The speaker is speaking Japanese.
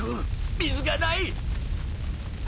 水がない！